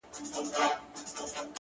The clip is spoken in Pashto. • چي یې نه غواړې هغه به در پیښیږي ,